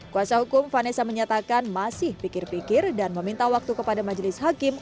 kuasa hukum vanessa menyatakan masih pikir pikir dan meminta waktu kepada majelis hakim